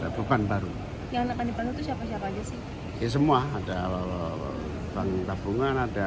dari pemerintahnya berarti kemensos ya